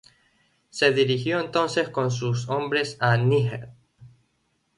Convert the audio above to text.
Se dirigió entonces con sus hombres a Níger.